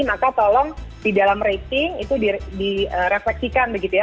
maka tolong di dalam rating itu direfleksikan begitu ya